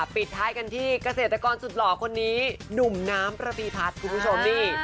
ปิดท้ายกันที่เกษตรกรสุดหล่อคนนี้หนุ่มน้ำประพีพัฒน์คุณผู้ชมนี่